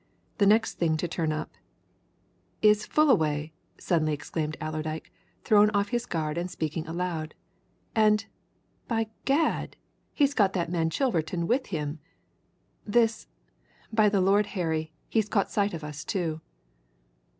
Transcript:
The next thing to turn up " "Is Fullaway!" suddenly exclaimed Allerdyke, thrown off his guard and speaking aloud. "And, by Gad! he's got that man Chilverton with him. This by the Lord Harry, he's caught sight of us, too!"